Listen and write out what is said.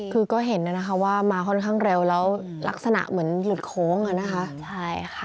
คือก็เห็นนะคะว่ามาค่อนข้างเร็วแล้วลักษณะเหมือนหลุดโค้งอ่ะนะคะใช่ค่ะ